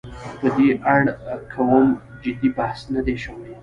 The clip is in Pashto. په دې اړه کوم جدي بحث نه دی شوی.